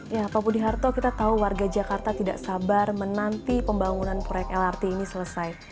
ya pak budi harto kita tahu warga jakarta tidak sabar menanti pembangunan proyek lrt ini selesai